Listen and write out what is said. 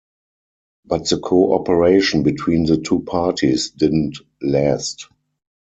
But the cooperation between the two parties didn't last.